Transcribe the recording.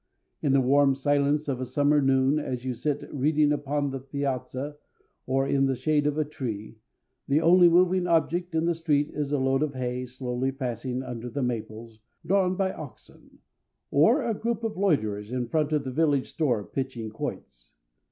In the warm silence of a summer noon, as you sit reading upon the piazza or in the shade of a tree, the only moving object in the street is a load of hay slowly passing under the maples, drawn by oxen, or a group of loiterers in front of the village store pitching quoits.